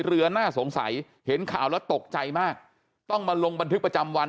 น่าสงสัยเห็นข่าวแล้วตกใจมากต้องมาลงบันทึกประจำวัน